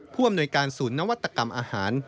ผู้อำนวยการศูนย์นวัตกรรมอาหาร